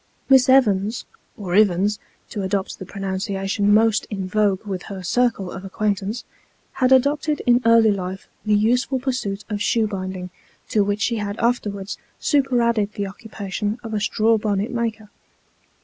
Miss Evans (or Ivins, to adopt the pronunciation most in vogue with her circle of acquaintance) had adopted iii early life the useful pursuit of shoe binding, to which she had afterwards superadded the occupation of a straw bonnet maker.